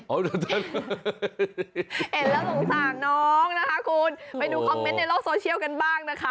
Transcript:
เห็นแล้วสงสารน้องนะคะคุณไปดูคอมเมนต์ในโลกโซเชียลกันบ้างนะคะ